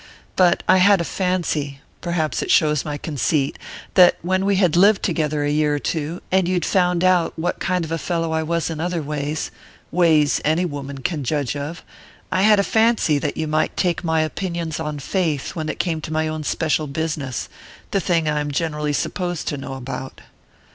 But I had a fancy perhaps it shows my conceit that when we had lived together a year or two, and you'd found out what kind of a fellow I was in other ways ways any woman can judge of I had a fancy that you might take my opinions on faith when it came to my own special business the thing I'm generally supposed to know about."